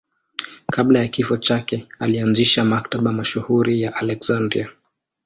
Kabla ya kifo chake alianzisha Maktaba mashuhuri ya Aleksandria.